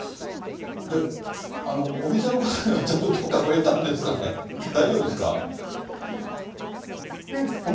お店の方にはちゃんと許可を得たんですかね、大丈夫ですか？